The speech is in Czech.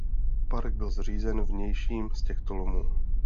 Park byl zřízen v největším z těchto lomů.